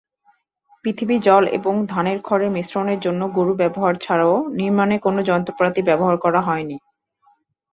পৃথিবী, জল এবং ধানের খড়ের মিশ্রণের জন্য গরু ব্যবহার ছাড়াও নির্মাণে কোনও যন্ত্রপাতি ব্যবহার করা হয়নি।